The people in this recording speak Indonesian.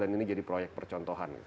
dan ini jadi proyek percontohan